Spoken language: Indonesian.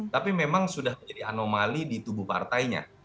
tapi memang sudah menjadi anomali di tubuh partainya